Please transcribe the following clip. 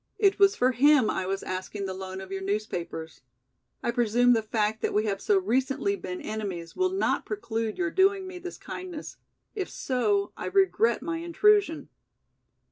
It was for him I was asking the loan of your newspapers. I presume the fact that we have so recently been enemies will not preclude your doing me this kindness. If so, I regret my intrusion."